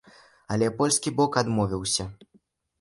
Але польскі бок адмовіўся.